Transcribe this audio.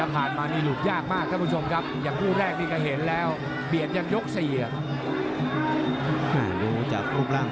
ซ้ายเตะซ้ายติดบัง